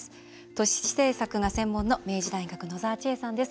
都市政策が専門の明治大学、野澤千絵さんです。